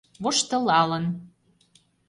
Воштылалын